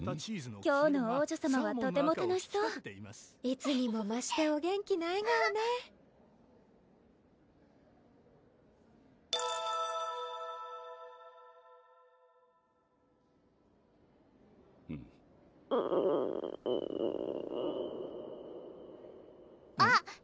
今日の王女さまはとても楽しそういつにもましてお元気な笑顔ねあっ